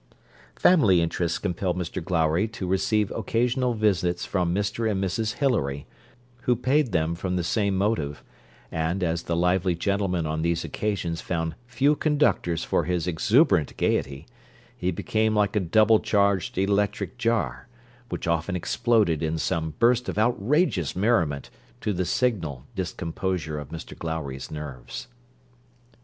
Family interests compelled Mr Glowry to receive occasional visits from Mr and Mrs Hilary, who paid them from the same motive; and, as the lively gentleman on these occasions found few conductors for his exuberant gaiety, he became like a double charged electric jar, which often exploded in some burst of outrageous merriment to the signal discomposure of Mr Glowry's nerves.